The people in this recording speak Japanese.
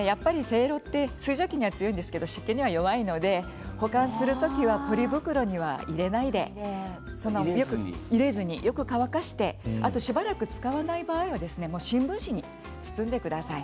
せいろは水蒸気には強いんですが湿気には弱いので保管する時にはポリ袋には入れずによく乾かしてあとしばらく使わない場合は新聞紙に包んでください。